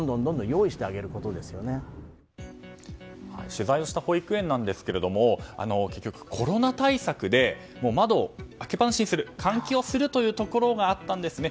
取材をした保育園なんですが結局、コロナ対策で窓を開けっぱなしにする換気をするというところがあったんですね。